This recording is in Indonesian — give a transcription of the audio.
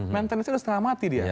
maintenance nya sudah setengah mati dia